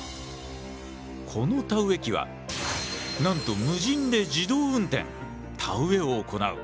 この田植え機はなんと無人で自動運転田植えを行う！